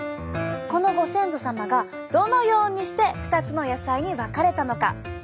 このご先祖様がどのようにして２つの野菜に分かれたのか。